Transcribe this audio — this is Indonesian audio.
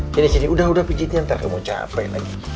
sini sini udah udah pijetin ntar kamu capek lagi